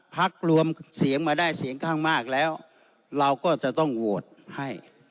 รวมเสียงมาได้เสียงข้างมากแล้วเราก็จะต้องโหวตให้